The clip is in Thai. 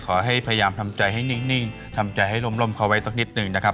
พยายามทำใจให้นิ่งทำใจให้ร่มเขาไว้สักนิดหนึ่งนะครับ